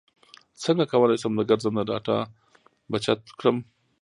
څنګه کولی شم د ګرځنده ډاټا بچت کړم